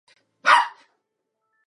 Ten po dlouhém boji zvítězí.